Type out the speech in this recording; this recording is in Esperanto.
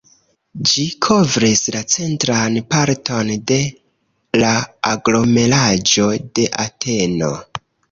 Ĝi kovris la centran parton de la aglomeraĵo de Ateno.